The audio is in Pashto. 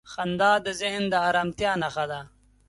• خندا د ذهن د آرامتیا نښه ده.